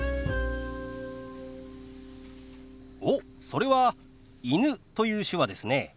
おっそれは「犬」という手話ですね。